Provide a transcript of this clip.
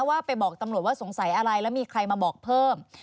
ว่าไปบอกตำรวจว่าสงสัยอะไรแล้วมีใครมาบอกเพิ่ม